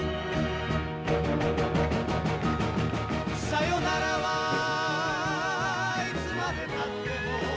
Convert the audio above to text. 「さよならはいつまでたっても」